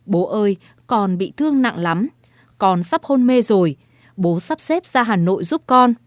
bố ơi còn bị thương nặng lắm còn sắp hôn mê rồi bố sắp xếp ra hà nội giúp con